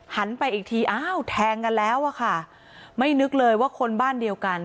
หันไปอีกทีอ้าวแทงกันแล้วอะค่ะไม่นึกเลยว่าคนบ้านเดียวกัน